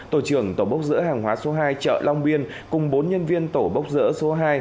tổ trưởng tổ bốc dỡ hàng hóa số hai chợ long biên cùng bốn nhân viên tổ bốc dỡ số hai